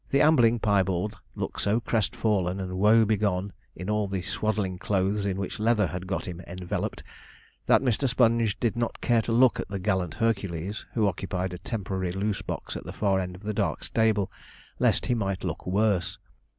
The ambling piebald looked so crestfallen and woebegone in all the swaddling clothes in which Leather had got him enveloped, that Mr. Sponge did not care to look at the gallant Hercules, who occupied a temporary loose box at the far end of the dark stable, lest he might look worse.